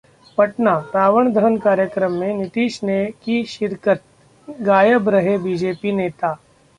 पटना: रावण दहन कार्यक्रम में नीतीश ने की शिरकत, गायब रहे बीजेपी नेता